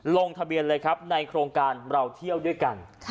ลงทะเบียนเลยครับในโครงการเราเที่ยวด้วยกัน